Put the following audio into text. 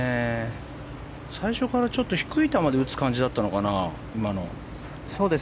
最初からちょっと低い球で打つ感じだったのかな、今の。